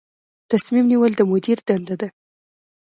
تصمیم نیول د مدیر دنده ده